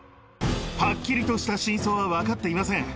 はっきりとした真相は分かっていません。